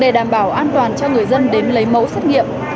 để đảm bảo an toàn cho người dân đến lấy mẫu xét nghiệm